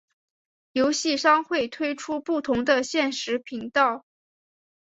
游戏商会推出不同的限时频道。